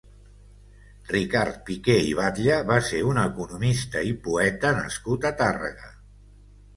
Ricard Piqué i Batlle va ser un economista i poeta nascut a Tàrrega.